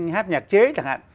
hát nhạc chế chẳng hạn